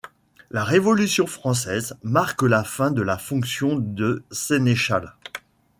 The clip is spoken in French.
La Révolution française marque la fin de la fonction de sénéchal.